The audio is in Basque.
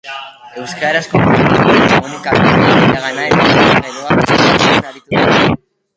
Euskarazko toki komunikabideen iragana, oraina eta geroa aztertzen aritu dira.